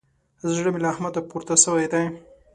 زړه مې له احمده پورته سوی دی.